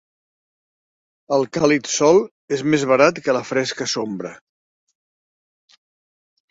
El càlid "sol" és més barat que la fresca "sombra".